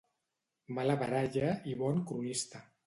Mala baralla i bon cronista.